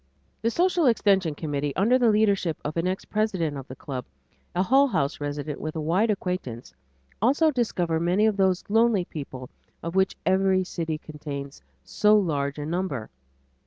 This social extension committee under the leadership of an ex president of the Club, a Hull House resident with a wide acquaintance, also discover many of those lonely people of which every city contains so large a number.